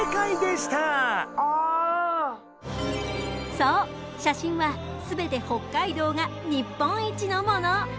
そう写真は全て北海道が日本一のもの。